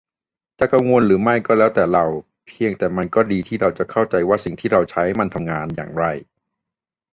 จะกังวลหรือไม่ก็แล้วแต่เรา เพียงแต่มันก็ดีที่เราจะเข้าใจว่าสิ่งที่เราใช้มันทำงานอย่างไร